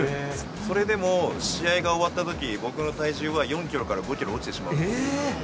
それでも試合が終わったとき、僕の体重は４キロから５キロ落ちてしまうんです。